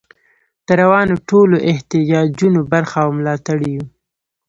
د روانو ټولو احتجاجونو برخه او ملاتړ یو.